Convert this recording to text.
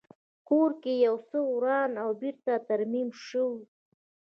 کور یې یو څه وران او بېرته ترمیم شوی و